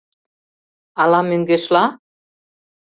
Ала мӧҥгешла?